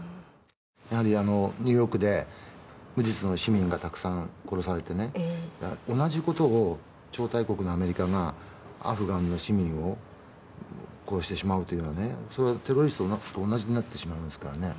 やはりニューヨークで無実の市民がたくさん殺されて同じことを超大国のアメリカがアフガンの市民を殺してしまうというのはテロリストと同じになってしまいますからね。